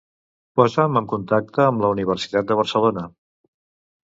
Posa'm en contacte amb la Universitat de Barcelona.